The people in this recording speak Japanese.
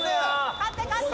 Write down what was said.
勝って勝って！